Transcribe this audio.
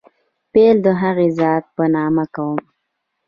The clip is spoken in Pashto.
پیل د هغه ذات په نامه کوم.